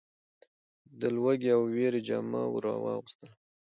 د لوږې او وېري جامه ور واغوستله .